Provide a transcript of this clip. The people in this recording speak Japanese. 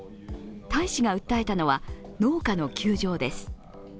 大使が訴えたのは農家の窮状です。